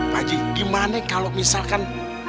bu aji gimana kalau misalkan